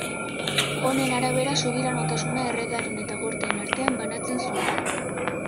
Honen arabera subiranotasuna erregearen eta gorteen artean banatzen zuen.